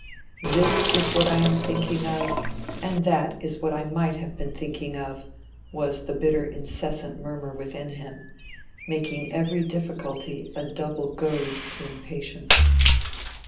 "This is what I am thinking of; and that is what I might have been thinking of," was the bitter incessant murmur within him, making every difficulty a double goad to impatience.